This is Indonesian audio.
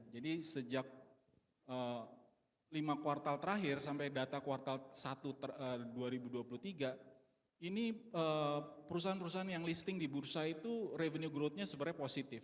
jadi sejak lima kuartal terakhir sampai data kuartal satu dua ribu dua puluh tiga perusahaan perusahaan yang listing di bursa itu revenue growth nya sebenarnya positif